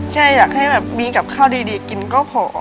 แกอยากให้บีกกับข้าวดีกินก็พอค่ะ